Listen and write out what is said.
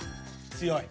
強い。